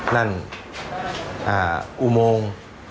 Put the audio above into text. นั่นอุโมง